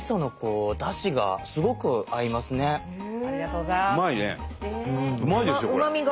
うまいですよこれ。